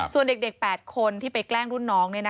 ส่วนเด็ก๘คนที่ไปแกล้งรุ่นน้อง